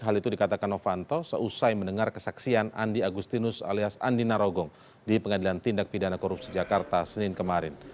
hal itu dikatakan novanto seusai mendengar kesaksian andi agustinus alias andi narogong di pengadilan tindak pidana korupsi jakarta senin kemarin